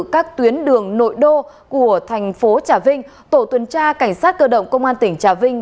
các tuyến đường nội đô của thành phố trà vinh tổ tuần tra cảnh sát cơ động công an tỉnh trà vinh